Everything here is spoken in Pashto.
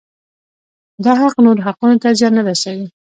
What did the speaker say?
دا حق نورو حقوقو ته زیان نه رسوي.